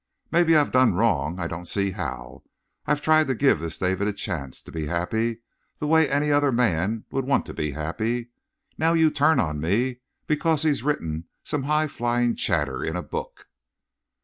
Maybe I've done wrong. I don't see how. I've tried to give this David a chance to be happy the way any other man would want to be happy. Now you turn on me because he's written some high flying chatter in a book!"